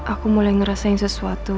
aku mulai ngerasain sesuatu